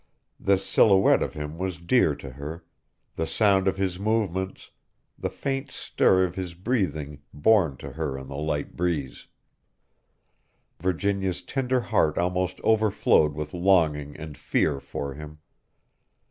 This silhouette of him was dear to her, the sound of his movements, the faint stir of his breathing borne to her on the light breeze. Virginia's tender heart almost overflowed with longing and fear for him.